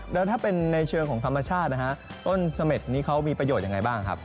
แล้วถ้าเป็นในเชิงของธรรมชาตินะฮะต้นเสม็ดนี้เขามีประโยชน์ยังไงบ้างครับ